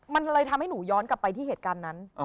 มันเลยทำให้หนูย้อนกลับไปที่เหตุการณ์นั้น